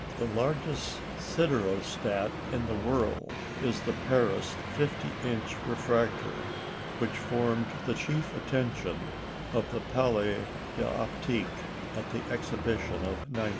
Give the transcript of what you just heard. The largest siderostat in the world is the Paris 50 inch refractor, which formed the chief attraction of the Palais d'Optique at the Exhibition of 1900.